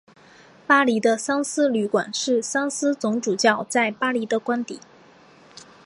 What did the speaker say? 巴黎的桑斯旅馆是桑斯总主教在巴黎的官邸。